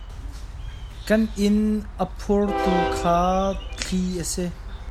Kan inn a phurtu kha thli a si.